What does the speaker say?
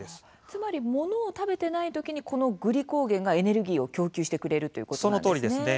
つまり物を食べてないときにこのグリコーゲンがエネルギーを供給してくれるそのとおりですね。